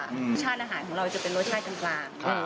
สถานอาหารของเราจะเป็นรสชาติกันกลาง